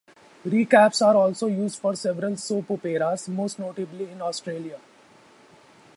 Recaps are also used for several soap operas, most notably in Australia.